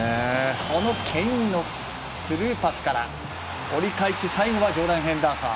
このケインのスルーパスから折り返し、最後はジョーダン・ヘンダーソン。